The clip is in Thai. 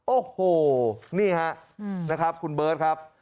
โอ้โหนี่ฮะนะครับคุณเบิร์ตครับ